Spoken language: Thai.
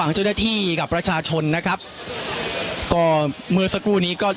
เดี๋ยวฟังบริกาศสักครู่นะครับคุณผู้ชมครับคุณผู้ชมครับ